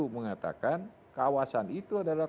mengatakan kawasan itu adalah